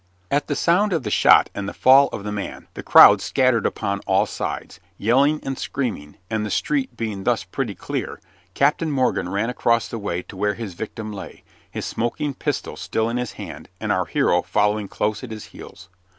At the sound of the shot and the fall of the man the crowd scattered upon all sides, yelling and screaming, and the street being thus pretty clear, Captain Morgan ran across the way to where his victim lay, his smoking pistol still in his hand, and our hero following close at his heels.